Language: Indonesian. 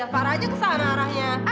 apa arahnya kesana arahnya